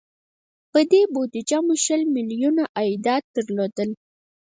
په دې بودجه مو شل میلیونه عایدات درلودل.